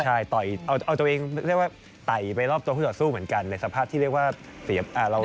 ใช่เอาตัวเองเรียกว่าไต่ไปรอบตัวคู่ส่อสู้เหมือนกันในสภาพที่เรียกว่าเสียเราล้มอยู่